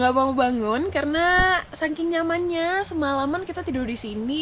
wah pada gak mau bangun karena saking nyamanya semalaman kita tidur di sini